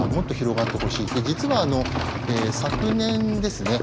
実は昨年ですね